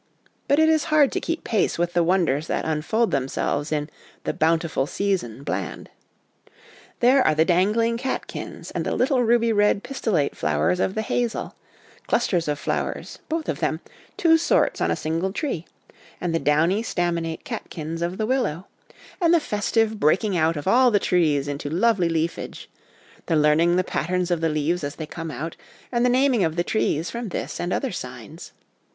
But it is hard to keep pace with the wonders that unfold themselves in 'the bountiful season, bland.' There are the dangling catkins and the little ruby red pistil late flowers of the hazel clusters of flowers, both of them, two sorts on a single tree ; and the downy staminate catkins of the willow ; and the festive OUT OF DOOR LIFE FOR THE CHILDREN 53 breaking out of all the trees into lovely leafage ; the learning the patterns of the leaves as they come out, and the naming of the trees from this and other signs.